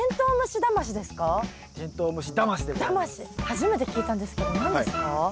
初めて聞いたんですけど何ですか？